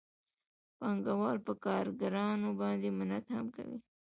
پانګوال په کارګرانو باندې منت هم کوي